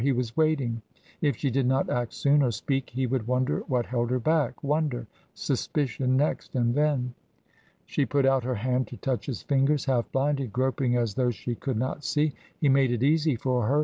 He was waiting. If she did not act soon or speak he would wonder what held her back wonder suspicion next and then? She put out her hand to touch his fingers, half blinded, groping as though she could not see. He made it easy for her.